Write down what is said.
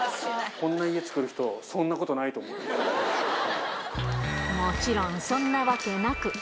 こんな家作る人、そんなこともちろん、そんなわけなく。